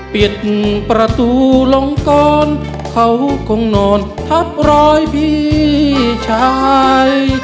ปิดประตูลงกรเขาคงนอนทับรอยพี่ชาย